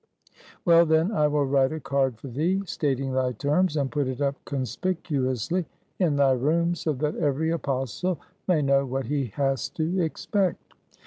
"Well, then, I will write a card for thee, stating thy terms; and put it up conspicuously in thy room, so that every Apostle may know what he has to expect."